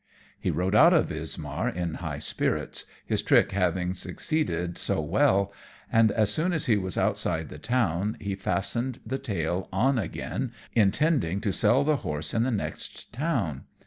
He rode out of Wismar in high spirits, his trick having succeeded so well; and as soon as he was outside the town he fastened the tail on again, intending to sell the horse in the next town.